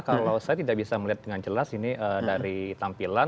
kalau saya tidak bisa melihat dengan jelas ini dari tampilan